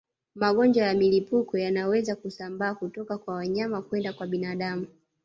Magonjwa ya mlipuko yanaweza kusambaa kutoka kwa wanyama kwenda kwa binadamu